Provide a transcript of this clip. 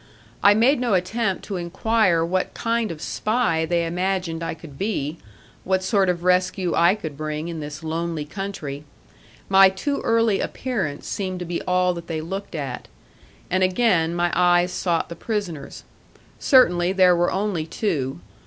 I made no attempt to inquire what kind of spy they imagined I could be, what sort of rescue I could bring in this lonely country; my too early appearance seemed to be all that they looked at. And again my eyes sought the prisoners. Certainly there were only two.